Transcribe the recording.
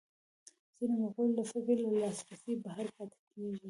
ځینې مقولې له فکر لاسرسي بهر پاتې کېږي